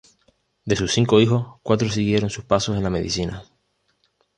De sus cinco hijos, cuatro siguieron sus pasos en la medicina.